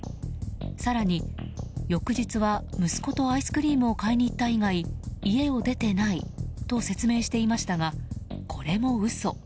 更に翌日は息子とアイスクリームを買いに行った以外家を出てないと説明していましたが、これも嘘。